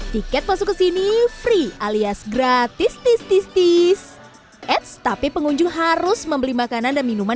tiket masuk ke sini free alias gratis tis tis tis eits tapi pengunjung harus membeli makanan dan minuman